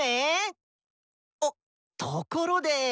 おっところで。